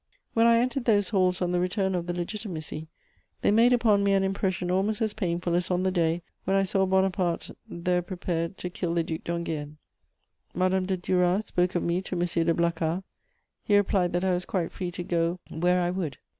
When I entered those halls on the return of the Legitimacy, they made upon me an impression almost as painful as on the day when I saw Bonaparte there prepared to kill the Duc d'Enghien. Madame de Duras spoke of me to M. de Blacas. He replied that I was quite free to go I where I would.